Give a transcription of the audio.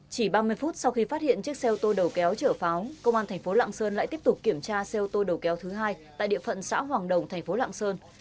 chỉ ba mươi phút sau khi phát hiện chiếc xe ô tô đầu kéo chở pháo công an thành phố lạng sơn lại tiếp tục kiểm tra xe ô tô đầu kéo thứ hai tại địa phận xã hoàng đồng thành phố lạng sơn